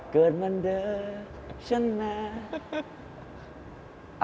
เกิดมาเด้อฉันมา